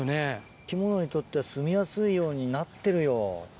生き物にとってはすみやすいようになってるよ。